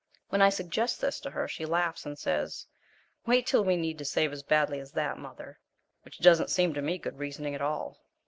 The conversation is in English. When I suggest this to her she laughs and says, "Wait till we need to save as badly as that, mother," which doesn't seem to me good reasoning at all.